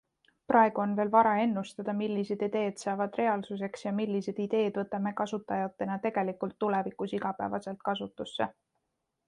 Praegu on veel vara ennustada, millised ideed saavad reaalsuseks ja millised ideed võtame kasutajatena tegelikult tulevikus igapäevaselt kasutusse.